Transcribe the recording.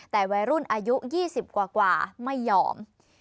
แต่วัยรุ่นอายุ๒๐กว่าไม่ยอม